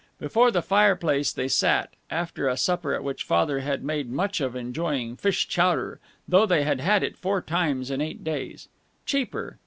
Before the fireplace they sat, after a supper at which Father had made much of enjoying fish chowder, though they had had it four times in eight days. Cheaper.